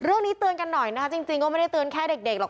เรื่องนี้เตือนกันหน่อยนะคะจริงก็ไม่ได้เตือนแค่เด็กหรอก